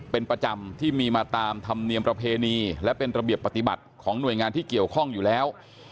เป็นประจำที่มีมาตามธรรมเนียมประเพณีและเป็นระเบียบปฏิบัติของหน่วยงานที่เกี่ยวข้องอยู่แล้ว